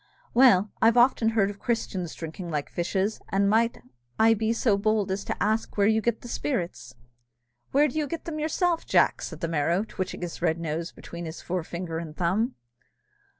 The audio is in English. Well, I've often heard of Christians drinking like fishes; and might I be so bold as ask where you get the spirits?" "Where do you get them yourself, Jack?" said the Merrow, twitching his red nose between his forefinger and thumb.